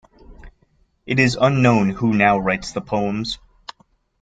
It is unknown who now writes the poems.